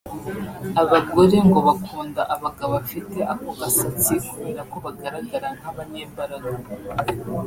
Abogore ngo bakunda abagabo bafite ako gasatsi kubera ko bagaragara nk’abanyembaraga